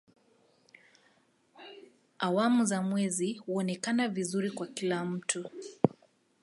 Awamu za mwezi huonekana vizuri kwa kila mtu.